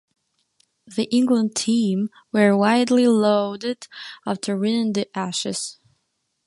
The England team were widely lauded after winning the Ashes.